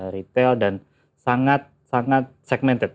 retail dan sangat sangat segmented